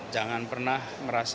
jangan pernah merampas